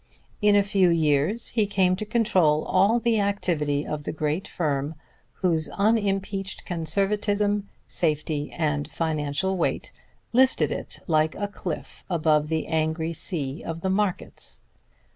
In a few years he came to control all the activity of the great firm whose unimpeached conservatism, safety and financial weight lifted it like a cliff above the angry sea of the markets.